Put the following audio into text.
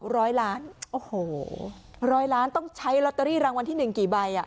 ร้อยล้านต้องใช้ลอตเตอรี่รางวัลที่๑กี่ใบ